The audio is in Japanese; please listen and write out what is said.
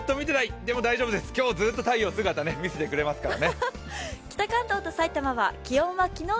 でも大丈夫です、今日ずっと太陽姿を見せてくれますからね。